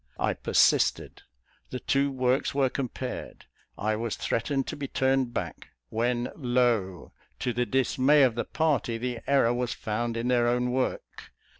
I persisted; the two works were compared: I was threatened to be turned back; when, lo, to the dismay of the party, the error was found in their own work.